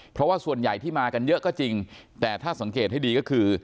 เพราะว่าส่วนใหญ่ที่มากันเยอะก็จริงแต่ถ้าสังเกตให้ดีก็คือ